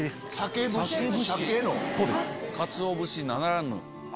かつお節ならぬ。